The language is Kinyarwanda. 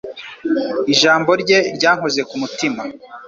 Ijambo rye ryankoze ku mutima.